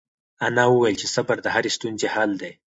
انا وویل چې صبر د هرې ستونزې حل دی.